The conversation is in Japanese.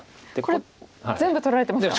これ全部取られてますか。